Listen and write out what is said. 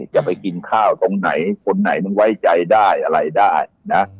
จะไปกินข้าวตรงไหนคนไหนมึงไว้ใจได้อะไรได้นะ